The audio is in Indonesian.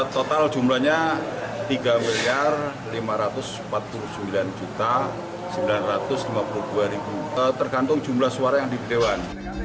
total jumlahnya tiga lima ratus empat puluh sembilan sembilan ratus lima puluh dua tergantung jumlah suara yang diberi dewan